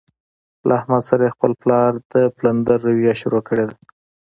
له احمد سره یې خپل پلار د پلندر رویه شروع کړې ده.